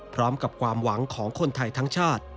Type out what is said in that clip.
พร้อมกับความหวังของคนไทยทั้งชาติ